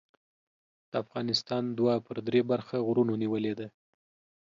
د افغانستان دوه پر درې برخه غرونو نیولې ده.